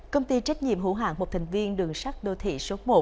công ty trách nhiệm hữu hạng một thành viên đường sắt đô thị số một